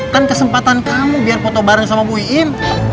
kan kesempatan kamu biar foto bareng sama bu iiim